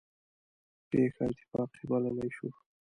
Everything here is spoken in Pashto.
پېښه اتفاق بللی شو.